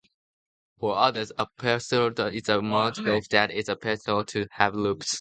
For others, a pseudograph is a multigraph that is permitted to have loops.